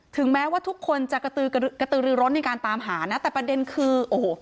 แม้ว่าทุกคนจะกระตือกระตือรือร้นในการตามหานะแต่ประเด็นคือโอ้โห